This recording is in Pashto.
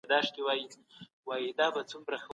پناه غوښتونکي ته د امنيت برابرول د ټولو دنده ده.